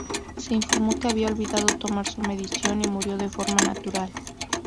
Se informó que había olvidado tomar su medicación y murió de forma natural.